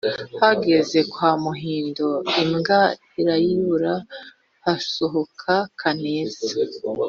ageze kwa muhindo imbwa arayibura hasohoka kaneza,